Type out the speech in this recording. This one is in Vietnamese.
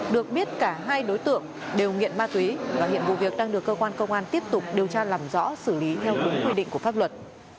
được biết cả hai đối tượng đều nghiện ma túy và hiện vụ việc đang được cơ quan công an tiếp tục điều tra làm rõ xử lý theo đúng quy định của pháp luật